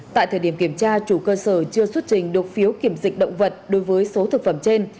tại thời điểm kiểm tra chủ cơ sở chưa xuất trình được phiếu kiểm dịch động vật đối với số thực phẩm trên